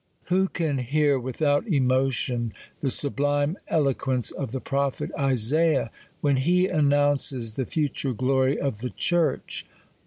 "' Who can hear, without emotion, the sublime elo quence of the prophet Isaiah, when he announces the future glory of the church